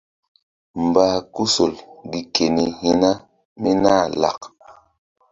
Mbah kuhsol gi keni hi̧na mí nah lak.